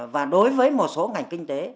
và đối với một số ngành kinh tế